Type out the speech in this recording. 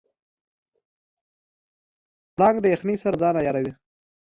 پړانګ د یخنۍ سره ځان عیاروي.